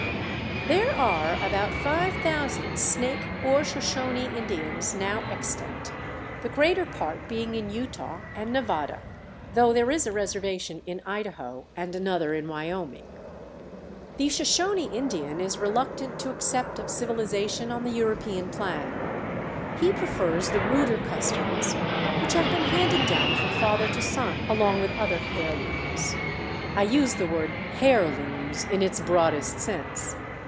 There are about 5,000 Snake or Shoshone Indians now extant, the greater part being in Utah and Nevada, though there is a reservation in Idaho and another in Wyoming. The Shoshone Indian is reluctant to accept of civilization on the European plan. He prefers the ruder customs which have been handed down from father to son along with other hairlooms. I use the word hairlooms in its broadest sense.